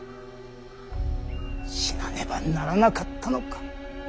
死なねばならなかったのか。